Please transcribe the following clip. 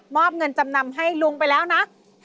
อบเงินจำนำให้ลุงไปแล้วนะ